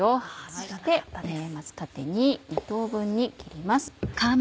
そしてまず縦に２等分に切ります。